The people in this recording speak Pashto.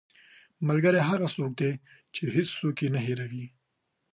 ملګری هغه څوک دی چې هېڅکله یې نه هېروې